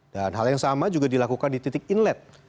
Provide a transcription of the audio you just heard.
dan hal yang sama juga dilakukan di titik inlet